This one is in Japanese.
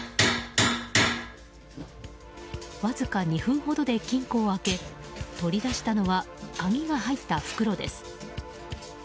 わずか２分ほどで金庫を開け取り出したのは鍵が入った袋です。